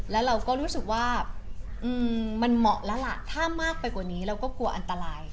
แล้วเราก็รู้สึกว่ามันเหมาะแล้วล่ะถ้ามากไปกว่านี้เราก็กลัวอันตราย